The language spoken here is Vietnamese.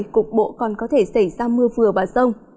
cục bộ còn có thể xảy ra mưa vừa và rông